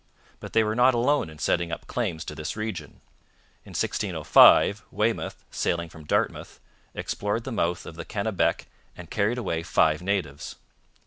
But they were not alone in setting up claims to this region. In 1605 Waymouth, sailing from Dartmouth, explored the mouth of the Kennebec and carried away five natives.